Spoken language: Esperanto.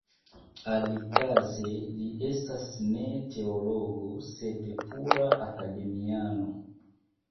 Alikaze li estas ne teologo sed pura akademiano.